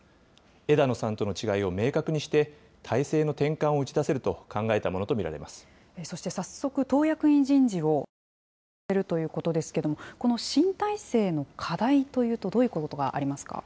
枝野さんとの違いを明確にして、体制の転換を打ち出せると考えたそして早速、党役員人事を本格化させるということですけれども、この新体制の課題というと、どういうことがありますか。